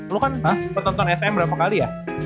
lu kan penonton sm berapa kali ya